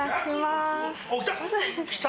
来た！